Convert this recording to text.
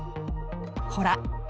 ほら！